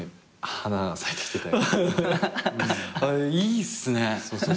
いいっすね。